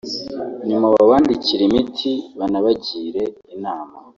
nyuma babandikire imiti banabagire inama